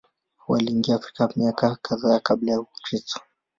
Waliingia Afrika miaka kadhaa Kabla ya Kristo.